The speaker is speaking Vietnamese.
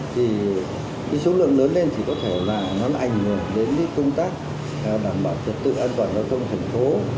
thì cái số lượng lớn lên thì có thể là nó ảnh hưởng đến công tác đảm bảo trật tự an toàn giao thông thành phố